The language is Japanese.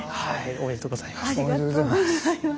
おめでとうございます。